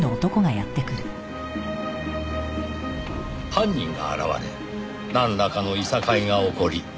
犯人が現れなんらかの諍いが起こり。